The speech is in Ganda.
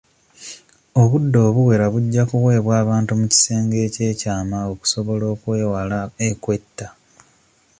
Obudde obuwera bujja kuweebwa abantu mu kisenge eky'ekyama okusobola okwewala okwetta.